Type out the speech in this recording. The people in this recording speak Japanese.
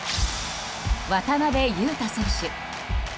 渡邊雄太選手。